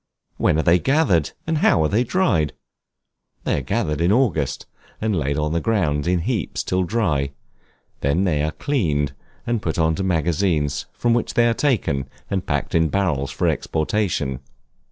When are they gathered, and how are they dried? They are gathered in August, and laid on the ground in heaps till dry; they are then cleaned, and put into magazines, from which they are taken and packed in barrels for exportation.